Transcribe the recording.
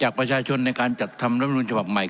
จากประชาชนในการจัดทำลักษณุนเฉพาะใหม่